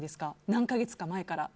何か月か前から。